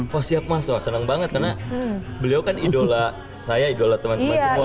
oh siap mas wah senang banget karena beliau kan idola saya idola teman teman semua